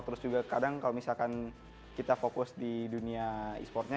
terus juga kadang kalau misalkan kita fokus di dunia e sportnya